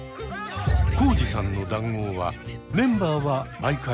コウジさんの談合はメンバーは毎回同じ。